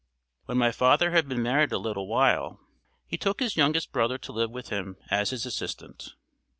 When my father had been married a little while, he took his youngest brother to live with him as his assistant.